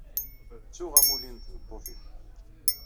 Ttuɣ amulli n tmeṭṭut-iw.